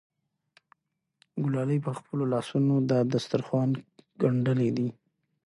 ګلالۍ په خپلو لاسونو دا دسترخوان ګنډلی دی.